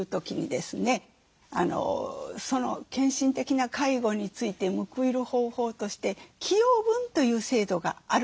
その献身的な介護について報いる方法として寄与分という制度があるんだった。